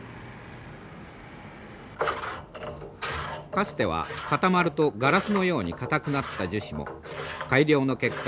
かつては固まるとガラスのように硬くなった樹脂も改良の結果